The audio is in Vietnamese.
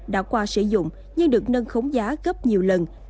đã qua sử dụng nhưng được nâng khống giá gấp nhiều lần